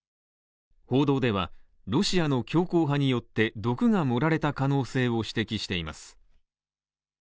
報道ではロシアの強硬派によって毒が盛られた可能性を指摘しています。